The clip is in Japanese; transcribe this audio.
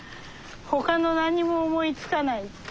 ほかの何にも思いつかない。